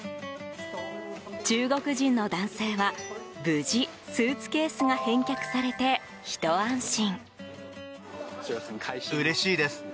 中国人の男性は無事、スーツケースが返却されてひと安心。